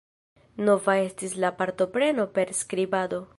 Nova estis la partopreno per skribado.